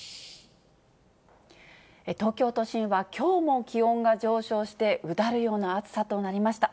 東京都心はきょうも気温が上昇して、うだるような暑さとなりました。